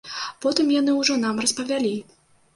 Потым яны ўжо нам распавялі.